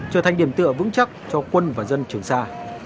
trở thành điểm tựa vững chắc cho quân và dân trường sa